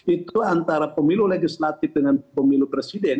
itu antara pemilu legislatif dengan pemilu presiden